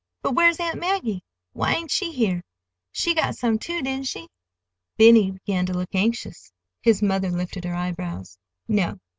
"But where's Aunt Maggie? Why ain't she here? She got some, too, didn't she?" Benny began to look anxious. His mother lifted her eyebrows. "No.